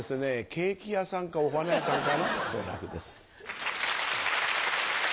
ケーキ屋さんかお花屋さんかな好楽です。